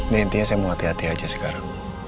dan intinya saya mau hati hati aja sekarang